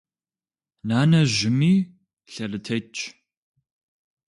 Нанэ жьыми, лъэрытетщ.